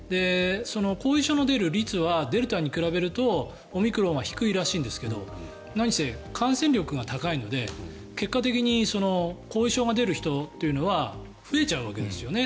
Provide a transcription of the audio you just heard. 後遺症の出る率はデルタに比べるとオミクロンは低いらしいんですけど何せ、感染力が高いので結果的に後遺症が出る人というのは増えちゃうわけですよね。